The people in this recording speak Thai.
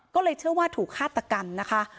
ก็เลยเชื่อว่าถูกฆาตกรรมนะคะ